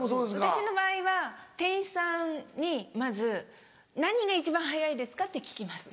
私の場合は店員さんにまず「何が一番早いですか？」って聞きます。